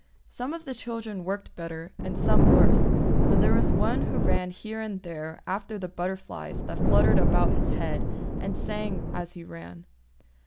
Some of the children worked better, and some worse; but there was one who ran here and there after the butterflies that fluttered about his head, and sang as he ran.